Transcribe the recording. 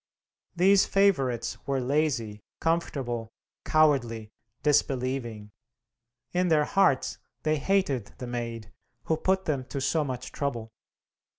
These favorites were lazy, comfortable, cowardly, disbelieving; in their hearts they hated the Maid, who put them to so much trouble.